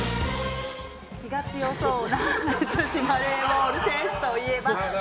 気が強そうな女子バレーボール選手といえば？